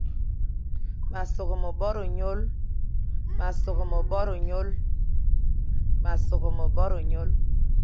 Ma sôghé mebor e nyôl,